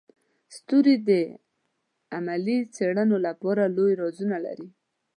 ستوري د علمي څیړنو لپاره لوی رازونه لري.